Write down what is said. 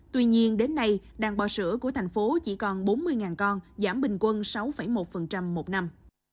tuy nhiên đến nay đàn bò sữa của thành phố chỉ còn bốn mươi con giảm bình quân sáu một một năm